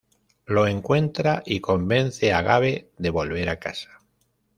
Lo encuentra y convence a Gabe de volver a casa.